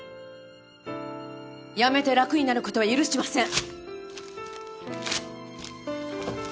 辞めて楽になることは許しません。